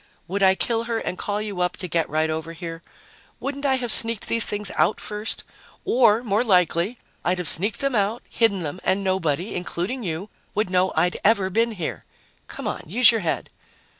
"Would I kill her and call you up to get right over here? Wouldn't I have sneaked these things out first? Or more likely I'd have sneaked them out, hidden them and nobody including you would know I'd ever been here. Come on, use your head."